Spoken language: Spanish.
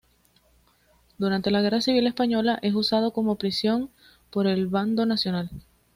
Durante la Guerra Civil Española es usado como prisión por el bando nacional.